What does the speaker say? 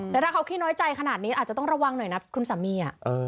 แต่ถ้าเขาขี้น้อยใจขนาดนี้อาจจะต้องระวังหน่อยนะคุณสามี